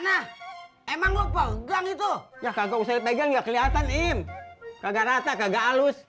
ada harus bagaimana emang lo pegang itu ya kagak usah pegang ya kelihatan im kagak rata kagak alus